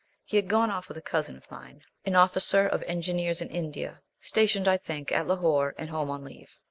He had gone off with a cousin of mine, an officer of Engineers in India, stationed, I think, at Lahore, and home on leave.